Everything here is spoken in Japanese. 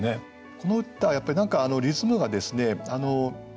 この歌はやっぱり何かリズムがですね「